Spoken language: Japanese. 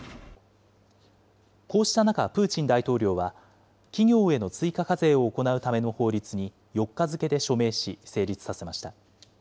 こうした中、プーチン大統領は企業への追加課税を行うための法律に４日付で署名し、成立させました。